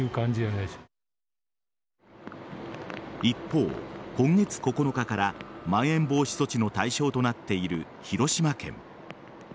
一方、今月９日からまん延防止措置の対象となっている広島県。